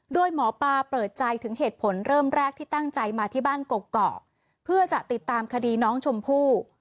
โดยหมอปลาเปิดใจถึงเหตุผลเริ่มแรกที่ตั้งใจมาที่บ้านกกอกเพื่อจะติดตามคดีน้องชมพู่